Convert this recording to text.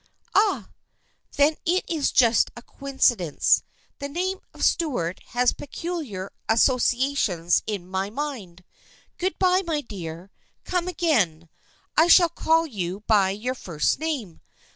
" Ah ! Then it is just a coincidence. The name of Stuart has peculiar associations in my mind. Good bye, my dear. Come again. I shall call you by your first name.